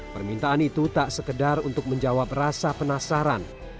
permintaan itu tak sekedar untuk menjawab rasa penasaran